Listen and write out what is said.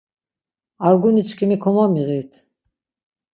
Arguniçkimi komomiğit.